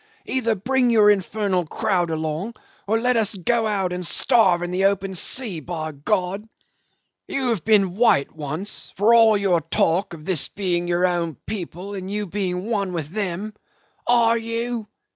Either bring your infernal crowd along or let us go out and starve in the open sea, by God! You have been white once, for all your tall talk of this being your own people and you being one with them. Are you?